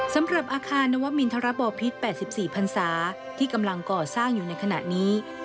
สำหรับอาคารนวมินทรบอพิษ๘๔พันศาที่กำลังก่อสร้างอยู่ในขณะนี้